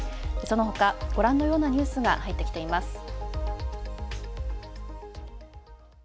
そのほか、ご覧のようなニュースが入ってきています。